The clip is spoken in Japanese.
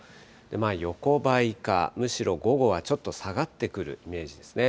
横ばいか、むしろ午後はちょっと下がってくるイメージですね。